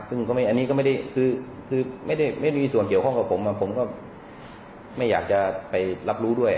คือไม่มีส่วนเกี่ยวข้องกับผมผมก็ไม่อยากจะไปรับรู้ด้วย